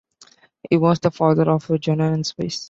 He was the father of Johannes Weiss.